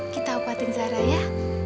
kita obatin sarah ya